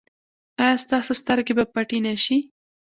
ایا ستاسو سترګې به پټې نه شي؟